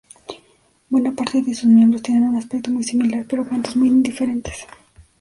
Buena parte de sus miembros tienen un aspecto muy similar pero cantos muy diferentes.